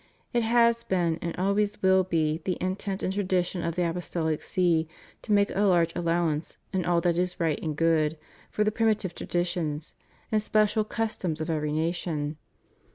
It has been and always will be the intent and tradition of the Apostolic See, to make a large allowance, in all that is right and good, for the primitive traditions and special customs of THE REUNION OF CHRISTENDOM. 309 every nation.